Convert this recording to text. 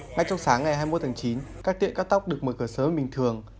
ngay trong sáng ngày hai mươi một tháng chín các tiệm cắt tóc được mở cửa sớm bình thường